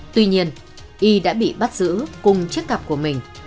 tuy nhiên y đã bị bắt giữ cùng chiếc cạp của mình